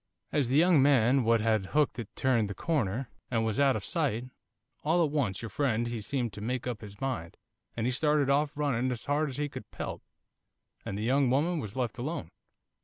'As the young man what had hooked it turned the corner, and was out of sight, all at once your friend he seemed to make up his mind, and he started off running as hard as he could pelt, and the young woman was left alone.